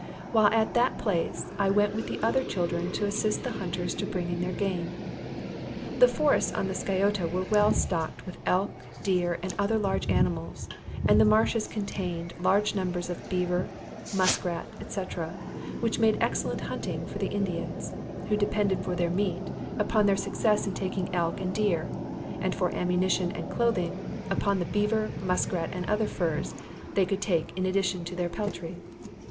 While at that place I went with the other children to assist the hunters to bring in their game. The forests on the Sciota were well stocked with elk, deer, and other large animals; and the marshes contained large numbers of beaver, muskrat, &c. which made excellent hunting for the Indians; who depended, for their meat, upon their success in taking elk and deer; and for ammunition and clothing, upon the beaver, muskrat, and other furs that they could take in addition to their peltry.